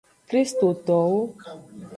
Kristitowo.